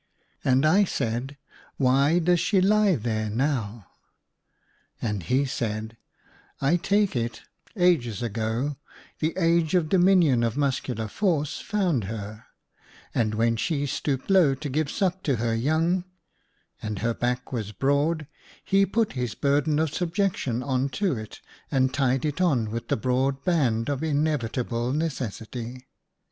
And I said, " Why does she lie there now ?" 70 THREE DREAMS IN A DESERT. And he said, " I take it, ages ago the Age of dominion of muscular force found her, and when she stooped low to give suck to her young, and her back was broad, he put his burden of subjection on to it, and tied it on with the broad band of Inevitable Necessity.